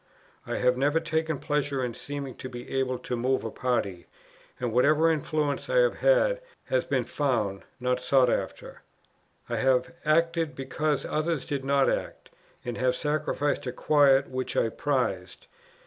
I have never taken pleasure in seeming to be able to move a party, and whatever influence I have had, has been found, not sought after. I have acted because others did not act, and have sacrificed a quiet which I prized.